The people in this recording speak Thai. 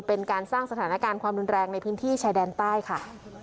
เป็นการสร้างสถานการณ์ความรุนแรงในพื้นที่ชายแดนใต้ค่ะ